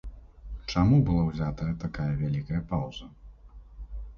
Чаму была ўзятая такая вялікая паўза?